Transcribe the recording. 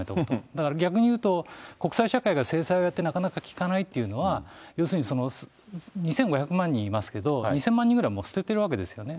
だから逆に言うと、国際社会が制裁をやってなかなか効かないというのは、要するに、２５００万人いますけど、２０００万人ぐらい捨ててるわけですよね。